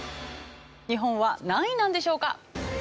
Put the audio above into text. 日本は何位なんでしょうか？